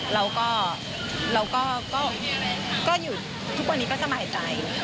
เราก็อยู่ทุกวันนี้ก็สบายใจ